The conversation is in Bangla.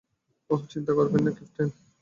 ওহ, চিন্তা করবেন না, ক্যাপ্টেন।